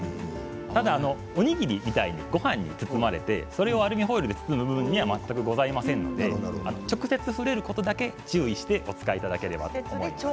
ただ、おにぎりみたいにごはんに包まれてそれをアルミホイルで包む分には問題ございませんので直接触れることだけ注意してお使いいただければと思います。